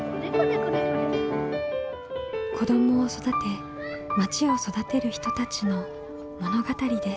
子どもを育てまちを育てる人たちの物語です。